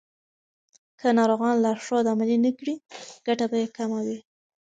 که ناروغان لارښود عملي نه کړي، ګټه به یې کمه وي.